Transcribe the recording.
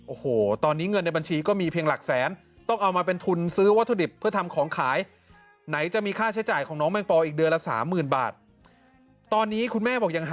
โอ้โหตอนนี้เงินในบัญชีก็มีเพียงหลักแสน